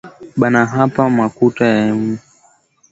Bana bapa makuta ya myezi tatu